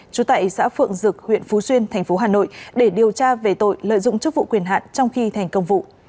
trú tại xã phượng dực huyện phú xuyên thành phố hà nội để điều tra về tội lợi dụng chức vụ quyền hạn trong khi thành công vụ